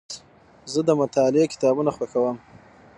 زه د مطالعې کتابونه خوښوم.